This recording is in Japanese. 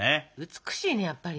美しいねやっぱり。